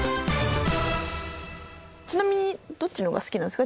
ちなみにどっちのが好きなんですか？